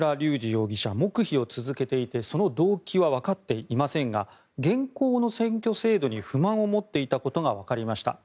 容疑者黙秘を続けていてその動機はわかっていませんが現行の選挙制度に不満を持っていたことがわかりました。